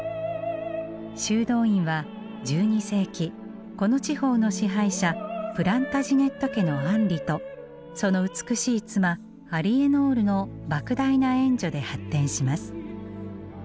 修道院は１２世紀この地方の支配者プランタジネット家のアンリとその美しい妻アリエノールのばく大な援助で発展します。